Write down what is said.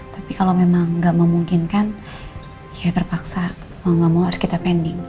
tapi kalau memang nggak memungkinkan ya terpaksa mau gak mau harus kita pending